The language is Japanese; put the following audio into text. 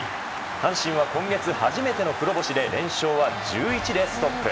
阪神は今月初めての黒星で連勝は１１でストップ。